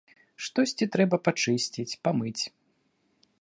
Штосьці трэба пачысціць, памыць.